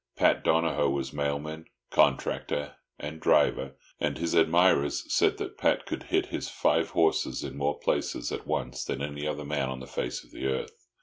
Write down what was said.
Pat Donohoe was mailman, contractor and driver, and his admirers said that Pat could hit his five horses in more places at once than any other man on the face of the earth.